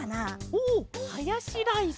おおハヤシライス！